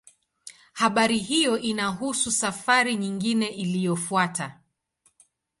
Habari hiyo inahusu safari nyingine iliyofuata.